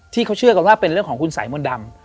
ที่เขาเชื่อกันว่าเป็นเรื่องของคุณสายมนต์ดำ